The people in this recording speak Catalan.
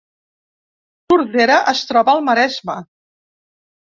Tordera es troba al Maresme